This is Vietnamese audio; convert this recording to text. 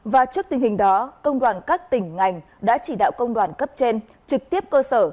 và trước tình hình đó công đoàn các tỉnh ngành đã chỉ đạo công đoàn cấp trên trực tiếp cơ sở